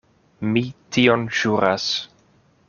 Mi tion ĵuras.